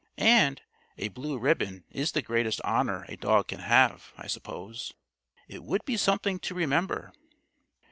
And a blue ribbon is the greatest honor a dog can have, I suppose. It would be something to remember."